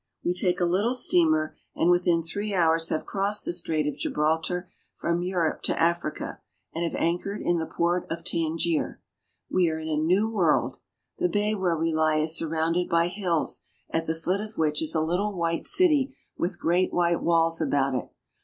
We take a little steamer and within three hours have crossed the Strait of Gihraltar from Europe to Africa, and have anchored in the port of Tangier (tan jer'). We are in a new world. The bay where we lie is surrounded by hills, at the foot of which is a little white city with great white walls about it.